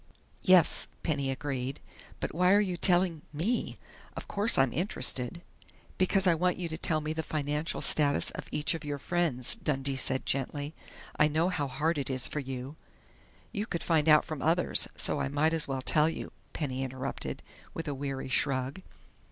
"Yes," Penny agreed. "But why are you telling me?... Of course I'm interested " "Because I want you to tell me the financial status of each of your friends," Dundee said gently. "I know how hard it is for you " "You could find out from others, so I might as well tell you," Penny interrupted, with a weary shrug.